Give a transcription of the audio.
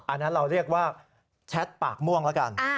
อันนั้นเราเรียกว่าแชทปากม่วงแล้วกัน